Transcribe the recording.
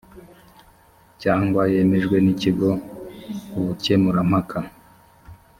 cyangwa yemejwe n ikigo ubukemurampaka